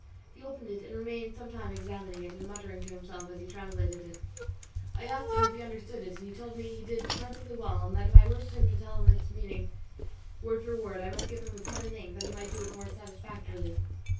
He opened it and remained some time examining it and muttering to himself as he translated it. I asked him if he understood it, and he told me he did perfectly well, and that if I wished him to tell me its meaning word for word, I must give him pen and ink that he might do it more satisfactorily.